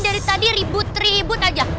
dari tadi ribut ribut aja